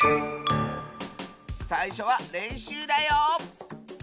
さいしょはれんしゅうだよ！